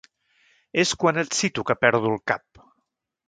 És quan et cito que perdo el cap.